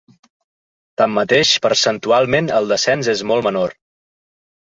Tanmateix, percentualment el descens és molt menor.